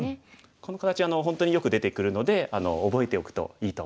この形本当によく出てくるので覚えておくといいと思います。